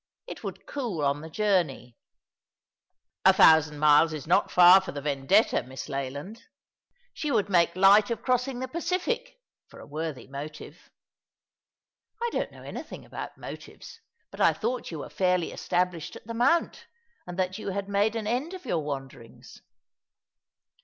It would cool on tbe journey." *' A thousand miles is not far for the Vendetta, Miss Leland. She would make light of crossing the Pacific— for a worthy motive." "I don't know anything about motives; but I thought you were fairly established at the Mounts and that you had made an end of your wanderings."